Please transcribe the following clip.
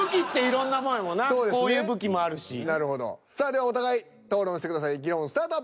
ではお互い討論してください議論スタート！